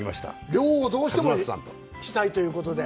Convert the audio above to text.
漁をどうしてしたいということで。